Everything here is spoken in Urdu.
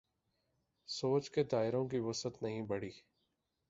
سوچ کے دائروں کی وسعت نہیں بڑھی۔